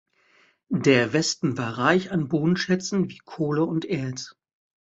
Der Westen war reich an Bodenschätzen wie Kohle und Erz.